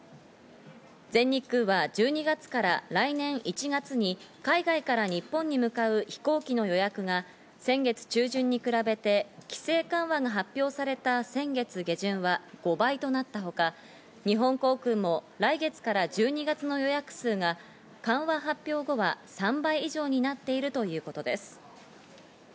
全日空は１２月から来年１月に海外から日本に向かう飛行機の予約が先月中旬に比べて規制緩和が発表された先月下旬は５倍となったほか、日本航空も来月から１２月の予約数が緩和発表後は３倍以上になっているということです。